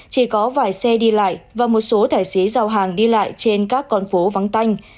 chỉ có vài xe đi lại và một số tài xế giao hàng đi lại trên các con phố vắng tanh